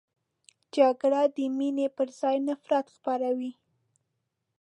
جګړه د مینې پر ځای نفرت خپروي